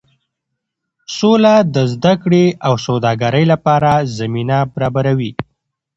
سوله د زده کړې او سوداګرۍ لپاره زمینه برابروي.